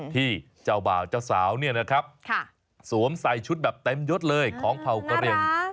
ที่เจ้าบ่าวเจ้าสาวเนี่ยนะครับสวมใส่ชุดแบบเต็มยดเลยของเผ่ากระเหลี่ยง